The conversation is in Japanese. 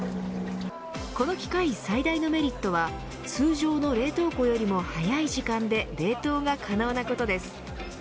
この機械、最大のメリットは通常の冷凍庫よりも速い時間で冷凍が可能なことです。